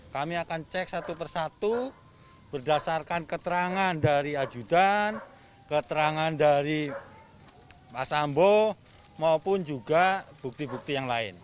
kami akan cek satu persatu berdasarkan keterangan dari ajudan keterangan dari mas ambo maupun juga bukti bukti yang lain